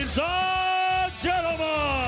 สวัสดีครับ